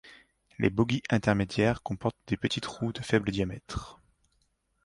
Les bogies intermédiaires comportent des petites roues, de faible diamètre.